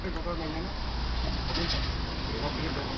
Lo describió como una experiencia inolvidable.